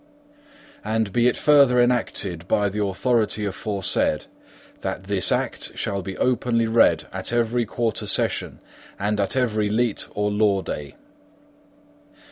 VII. And be it further enacted by the authority aforesaid, That this act shall be openly read at every quarter session, and at every leet or law day.